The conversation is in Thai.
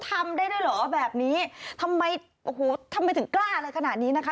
ทำได้ด้วยเหรอแบบนี้ทำไมถึงกล้าอะไรขนาดนี้นะคะ